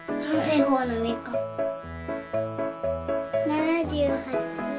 ７８。